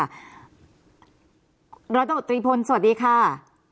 ร้อยตำรวจตรีพลสวัสดีค่ะ